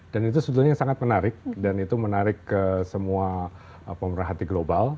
dan itu sebetulnya sangat menarik dan itu menarik ke semua pemerhati global